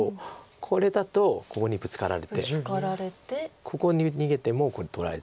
これだとここにブツカられてここ逃げてもこれ取られちゃいます。